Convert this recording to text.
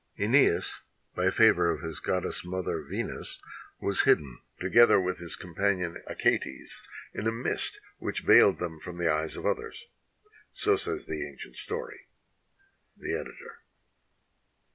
^Eneas, by favor of his goddess mother, Venus, was hidden, together with his companion. Achates, in a mist which veiled them from the eyes of others. So says the ancient story. The Editor.